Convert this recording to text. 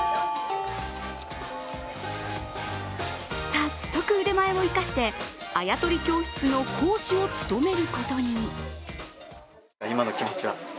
早速腕前を生かしてあやとり教室の講師を務めることに。